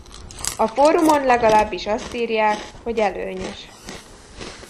A fórumon legalábbis azt írják, hogy előnyös.